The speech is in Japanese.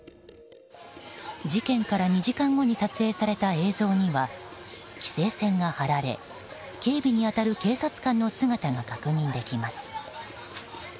事件から２時間後に撮影された映像には規制線が張られ警備に当たる警察官の姿が確認できます。